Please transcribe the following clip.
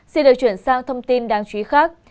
xin được chuyển sang thông tin đáng chú ý khác